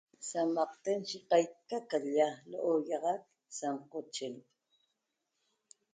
Sa'amaqten yi qaica ca l-lla lo'oxoiaxac sa n'qochen